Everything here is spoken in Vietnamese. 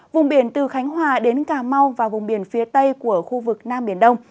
vùng biển từ khánh hòa đến cà mau và vùng biển phía tây của khu vực nam biển đông